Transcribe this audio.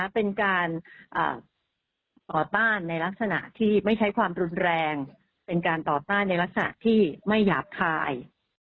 เป็นการต่อต้านในลักษณะที่ไม่ใช้ความรุนแรงเป็นการต่อต้านในลักษณะที่ไม่หยาบคาย